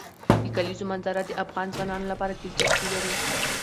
د کلیزو منظره د افغان ځوانانو لپاره دلچسپي لري.